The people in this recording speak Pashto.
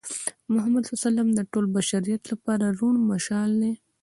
محمد ص د ټول بشریت لپاره روڼ مشال دی.